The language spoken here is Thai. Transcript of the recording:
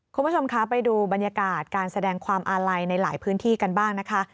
คุณผู้ชมคะไปดูบรรยากาศการแสดงความอาลัยในหลายพื้นที่กันบ้างนะคะ